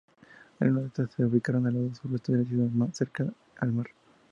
Algunas de estas, se ubicaron al lado suroeste de la ciudad cerca al mar.